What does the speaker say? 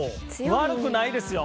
悪くないですよ。